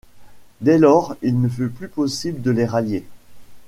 Dès lors il ne fut plus possible de les rallier.